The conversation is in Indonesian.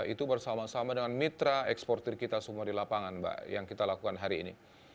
itu bersama sama dengan mitra eksportir kita semua di lapangan mbak yang kita lakukan hari ini